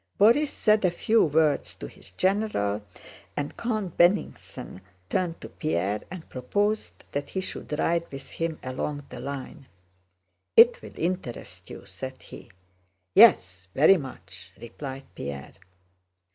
Borís said a few words to his general, and Count Bennigsen turned to Pierre and proposed that he should ride with him along the line. "It will interest you," said he. "Yes, very much," replied Pierre.